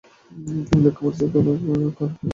আর ঐ লক্ষ্য মানুষের কালকের কি হবে যারা এই বোমায় মারা যাবে?